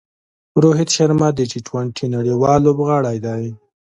روهیت شرما د ټي ټوئنټي نړۍوال لوبغاړی دئ.